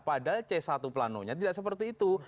padahal c satu plano nya tidak seperti itu